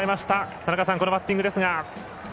田中さんこのバッティングですが。